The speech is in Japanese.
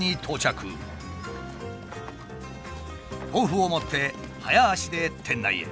豆腐を持って早足で店内へ。